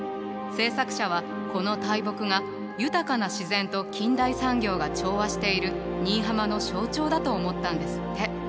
制作者はこの大木が豊かな自然と近代産業が調和している新居浜の象徴だと思ったんですって。